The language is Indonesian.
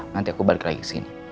nanti aku balik lagi ke sini